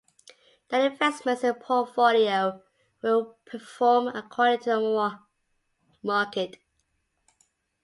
The investments in a portfolio will perform according to the market.